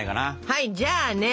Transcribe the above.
はいじゃあね